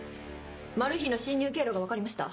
マル被の侵入経路が分かりました。